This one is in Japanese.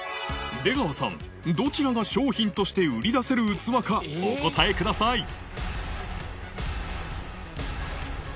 出川さんどちらが商品として売り出せる器かお答えください